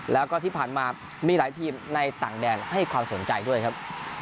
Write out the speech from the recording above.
แล้วก็ที่ผ่านมามีหลายทีมในต่างแดนให้ความสนใจด้วยครับ